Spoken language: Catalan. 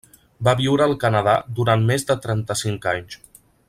Va viure al Canadà durant més de trenta-cinc anys.